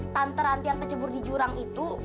tante rantian pecebur di jurang itu